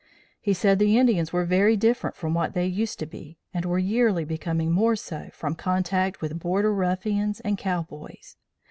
He said the Indians were very different from what they used to be, and were yearly becoming more so from contact with border ruffians and cowboys.